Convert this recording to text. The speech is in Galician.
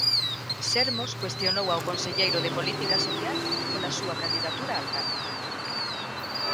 Sermos cuestionou ao conselleiro de Política Social pola súa candidatura a alcalde.